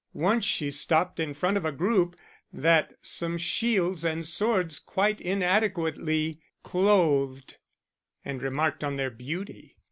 Once she stopped in front of a group that some shields and swords quite inadequately clothed, and remarked on their beauty.